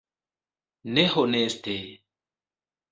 Ne honeste!